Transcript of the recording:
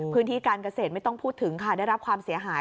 พื้นที่การเกษตรไม่ต้องพูดถึงค่ะได้รับความเสียหาย